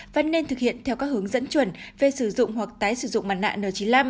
vẫn nên thực hiện theo các hướng dẫn chuẩn về sử dụng hoặc tái sử dụng mặt nạ n chín mươi năm